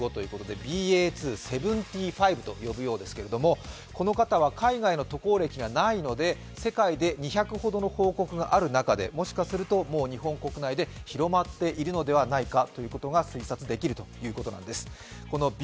ＢＡ．２．７５ということで、この方は海外渡航歴がないので、世界で２００ほどの報告がある中でもしかするともう日本国内で広まっているのではないかということが推察できるということです。